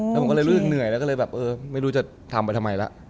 แล้วผมก็เลยรู้สึกเหนื่อยแล้วก็เลยแบบเออไม่รู้จะทำไปทำไมล่ะ